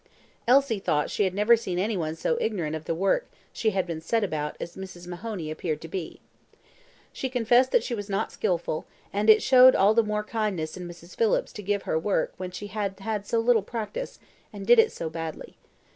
Elsie thought she had never seen any one so ignorant of the work she had set about as Mrs. Mahoney appeared to be. She confessed that she was not skilful, and it showed all the more kindness in Mrs. Phillips to give her work when she had had so little practice, and did it so badly.